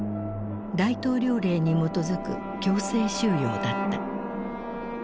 大統領令に基づく強制収容だった。